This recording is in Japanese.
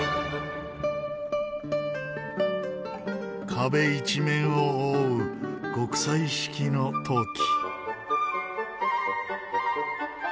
壁一面を覆う極彩色の陶器。